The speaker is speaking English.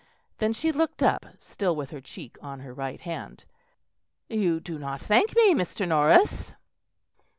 Then she looked up, still with her cheek on her right hand. "You do not thank me, Mr. Norris."